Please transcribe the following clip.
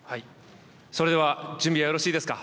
それでは、準備はよろしいですか。